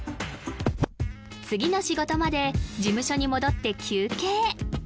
次の仕事まで事務所に戻って休憩